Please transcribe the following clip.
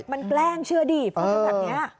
มันแกล้งเชื่อดิพูดแบบนี้